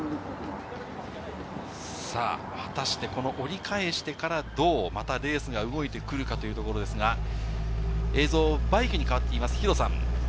果たして折り返してからどう、またレースが動いてくるかというところですが、映像はバイクに変わっています。